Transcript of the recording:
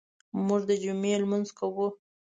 موږ د جمعې لمونځ کوو.